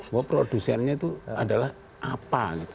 bahwa produsennya itu adalah apa gitu